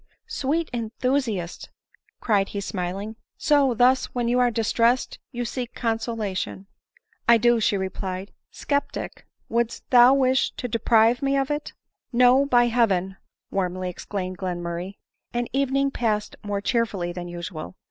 " Sweet enthusiast !" cried he smiling :" so, thus, when you are distressed, you seek consolation." " I do," she replied :" Sceptic, wouldst thou wish to deprive me of it ?" u No, by heaven !" warmly exclaimed filenmurray ; and the evening passed more cheerfully than usual.